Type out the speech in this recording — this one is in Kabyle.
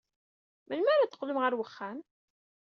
Melmi ara d-teqqlem ɣer uxxam?